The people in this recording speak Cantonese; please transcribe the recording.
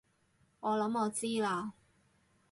我諗我知喇